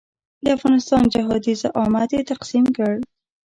د افغانستان جهادي زعامت یې تقسیم کړ.